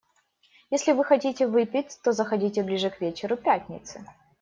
Если вы хотите выпить, то заходите ближе к вечеру пятницы.